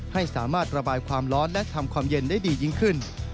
ให้สามารถระบายความร้อนและทำความเย็นได้ดียิ่งขึ้น